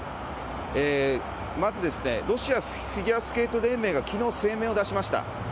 まず、ロシアフィギュアスケート連盟がきのう、声明を出しました。